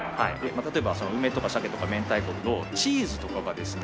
例えば梅とか鮭とか明太子とチーズとかがですね